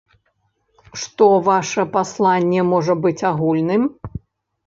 Што ваша пасланне можа быць агульным?